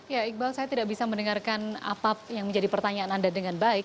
ya iqbal saya tidak bisa mendengarkan apa yang menjadi pertanyaan anda dengan baik